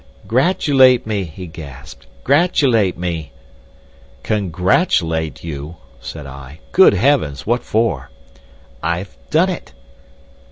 "Gratulate me," he gasped; "gratulate me!" "Congratulate you!" said I. "Good heavens! What for?" "I've done it."